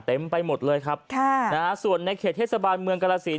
เต็มไปหมดเลยครับค่ะนะฮะส่วนในเขตเทศบาลเมืองกรสิน